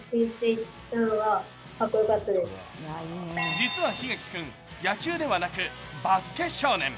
実は檜垣君、野球ではなくバスケ少年。